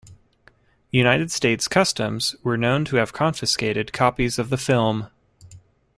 United States customs were known to have confiscated copies of the film.